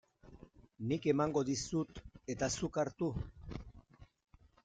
Nik emango dizut eta zuk hartu?